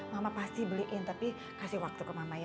mama pasti beliin tapi kasih waktu ke mama ya